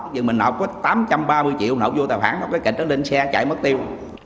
giờ mình nộp có tám trăm ba mươi triệu nộp vô tài khoản cái kịch nó lên xe chạy mất tiêu